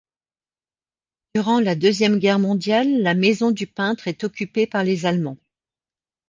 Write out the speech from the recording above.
Durant la Deuxième Guerre mondiale, la maison du peintre est occupée par les Allemands.